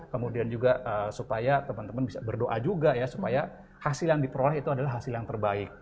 kemudian juga supaya teman teman bisa berdoa juga ya supaya hasil yang diperoleh itu adalah hasil yang terbaik